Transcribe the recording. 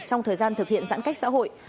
trong thời gian thực hiện giãn cách xã hội